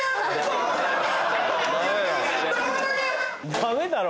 ダメだろ